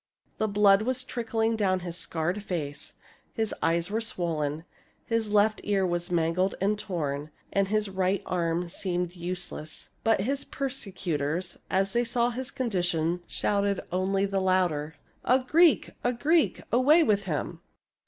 The blood was trickling down his scarred face, his eyes were swollen, his left ear was mangled and torn, and his right arm seemed useless. But his per secutors, as they saw his condition, shouted only the louder, " A Greek ! a Greek ! Away with him